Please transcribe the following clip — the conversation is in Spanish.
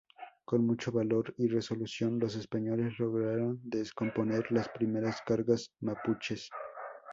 Con mucho valor y resolución los españoles lograron descomponer las primeras cargas mapuches.